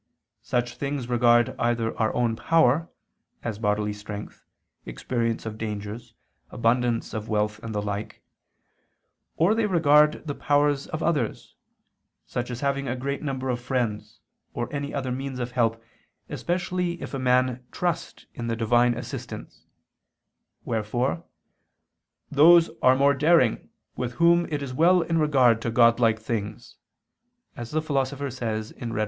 Such things regard either our own power, as bodily strength, experience of dangers, abundance of wealth, and the like; or they regard the powers of others, such as having a great number of friends or any other means of help, especially if a man trust in the Divine assistance: wherefore "those are more daring, with whom it is well in regard to godlike things," as the Philosopher says (Rhet.